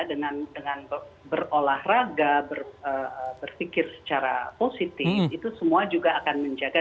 dengan dengan berolahraga berpikir secara positif itu semua juga akan menjaga